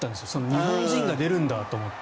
日本人が出るんだと思って。